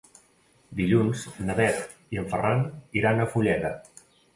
Dilluns na Bet i en Ferran iran a Fulleda.